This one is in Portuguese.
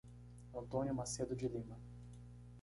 Antônio Macedo de Lima